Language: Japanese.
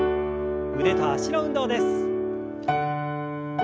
腕と脚の運動です。